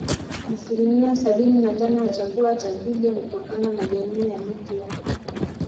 Asilimia sabini na tano ya chakula cha twiga hutokana na jamii ya miti ya